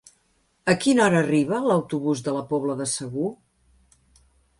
A quina hora arriba l'autobús de la Pobla de Segur?